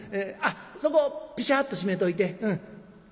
あっそこピシャッと閉めといて。